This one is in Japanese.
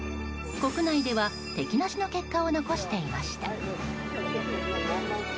国内では敵なしの結果を残していました。